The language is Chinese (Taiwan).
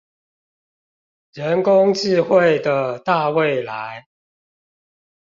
人工智慧的大未來